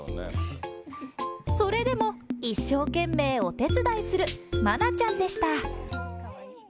それでも、一生懸命お手伝いするまなちゃんでした。